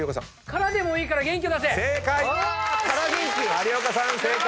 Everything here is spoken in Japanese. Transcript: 有岡さん正解！